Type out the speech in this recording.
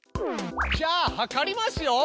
じゃあはかりますよ。